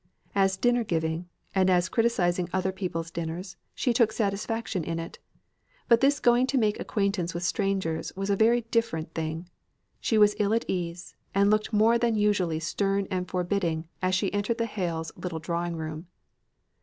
As dinner giving, and as criticising other people's dinners, she took satisfaction in it. But this going to make acquaintance with strangers was a very different thing. She was ill at ease, and looked more than usually stern and forbidding as she entered the Hales' little drawing room.